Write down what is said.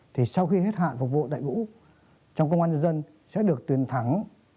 thì sau khi hết hạn phục vụ tại ngũ trong công an nhân dân sẽ được tuyển thắng